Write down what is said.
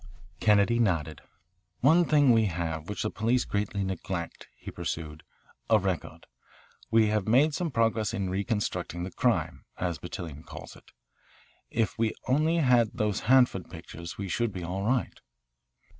Kennedy nodded. "One thing we have which the police greatly neglect," he pursued, "a record. We have made some progress in reconstructing the crime, as Bertillon calls it. If we only had those Hanford pictures we should be all right."